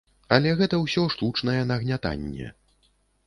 Але гэта ўсё штучнае нагнятанне.